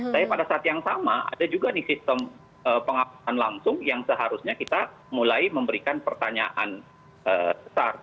tapi pada saat yang sama ada juga nih sistem pengawasan langsung yang seharusnya kita mulai memberikan pertanyaan besar